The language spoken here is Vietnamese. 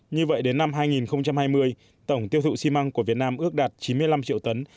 như vậy đến năm hai nghìn hai mươi tổng tiêu thụ xi măng của việt nam ước đạt chín mươi năm triệu tấn